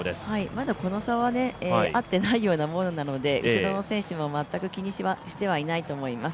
まだこの差はあってないようなものなので、後ろの選手も全く気にしてはいないと思います。